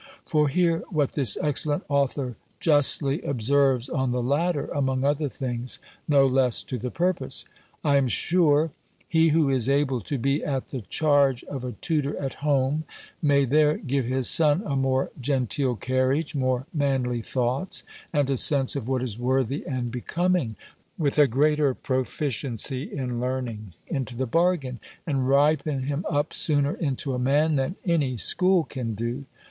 For hear what this excellent author justly observes on the latter, among other things, no less to the purpose: "I am sure, he who is able to be at the charge of a tutor at home, may there give his son a more genteel carriage, more manly thoughts, and a sense of what is worthy and becoming, with a greater proficiency in learning, into the bargain, and ripen him up sooner into a man, than any school can do.